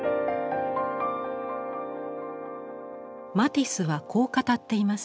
マティスはこう語っています。